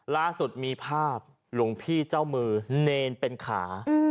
ล่าสุดมีภาพหลวงพี่เจ้ามือเนรเป็นขา